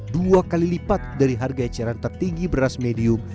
dua kali lipat dari harga eceran tertinggi beras medium